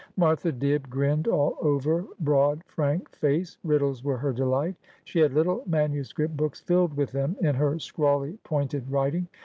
Martha Dibb grinned all over broad frank face. Riddles were her delight. She had little manuscript books filled with them in her scrawly, pointed writing.